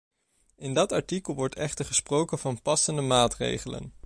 In dat artikel wordt echter gesproken van passende maatregelen.